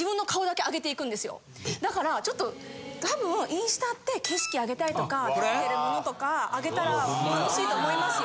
だからちょっとたぶんインスタって景色あげたりとか着てるものとかあげたら楽しいと思いますよ。